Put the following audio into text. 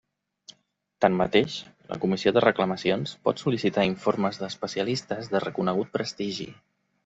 Tanmateix, la Comissió de Reclamacions pot sol·licitar informes d'especialistes de reconegut prestigi.